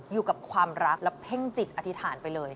อยู่กับความรักและเพ่งจิตอธิษฐานไปเลย